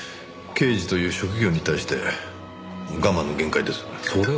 刑事という職業に対して我慢の限界です。